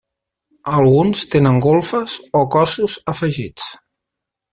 Alguns tenen golfes o cossos afegits.